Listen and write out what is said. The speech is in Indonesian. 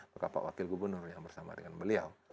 maka pak wakil gubernur yang bersama dengan beliau